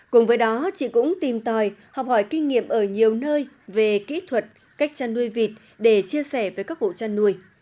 cùng với đó chị cũng tìm tòi học hỏi kinh nghiệm ở nhiều nơi về kỹ thuật cách chăn nuôi vịt để chia sẻ với các hộ chăn nuôi